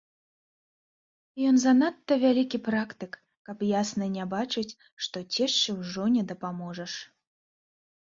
Ён занадта вялікі практык, каб ясна не бачыць, што цешчы ўжо не дапаможаш.